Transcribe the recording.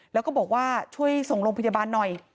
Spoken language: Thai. แล้วก็บอกว่าช่วยส่งโรงพยาบาลหน่อย